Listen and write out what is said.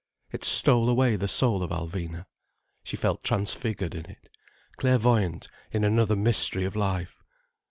It stole away the soul of Alvina. She felt transfigured in it, clairvoyant in another mystery of life.